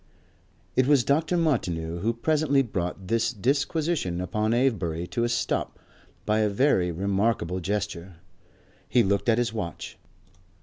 It was Dr. Martineau who presently brought this disquisition upon Avebury to a stop by a very remarkable gesture. He looked at his watch.